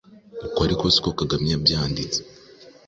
Uku ariko si ko Kagame yabyanditse: